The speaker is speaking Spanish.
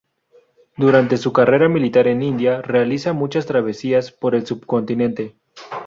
Durante su carrera militar en India, realiza muchas travesías por el subcontinente.